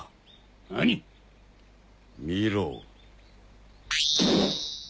何⁉見ろ。